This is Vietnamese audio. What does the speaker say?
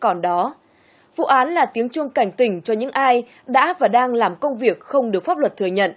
còn đó vụ án là tiếng chuông cảnh tỉnh cho những ai đã và đang làm công việc không được pháp luật thừa nhận